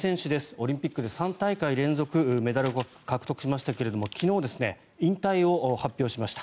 オリンピックで３大会連続メダル獲得しましたが昨日、引退を発表しました。